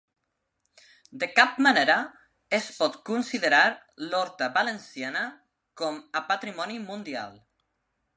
De cap manera es pot considerar l'horta Valenciana com a patrimoni mundial